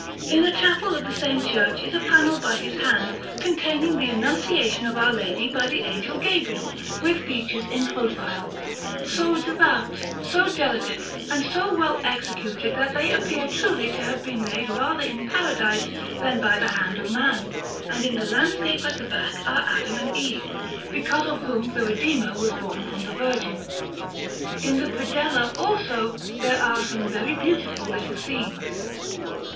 In a chapel of the same church is a panel by his hand, containing the Annunciation of Our Lady by the Angel Gabriel, with features in profile, so devout, so delicate, and so well executed, that they appear truly to have been made rather in Paradise than by the hand of man; and in the landscape at the back are Adam and Eve, because of whom the Redeemer was born from the Virgin. In the predella, also, there are some very beautiful little scenes.